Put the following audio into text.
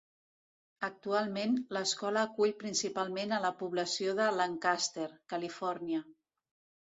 Actualment, l'escola acull principalment a la població de Lancaster, California.